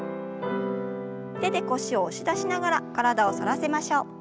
手で腰を押し出しながら体を反らせましょう。